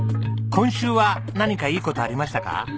今週は何かいい事ありましたか？